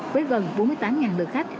với gần bốn mươi tám lượt khách